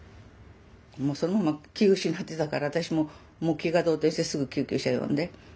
もうそのまま気失ってたから私も気が動転してすぐ救急車呼んで。